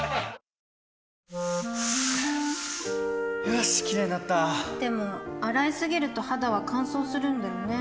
よしキレイになったでも、洗いすぎると肌は乾燥するんだよね